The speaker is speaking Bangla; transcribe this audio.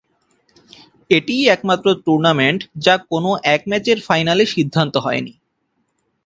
এটিই একমাত্র টুর্নামেন্ট যা কোনও এক ম্যাচের ফাইনালে সিদ্ধান্ত হয়নি।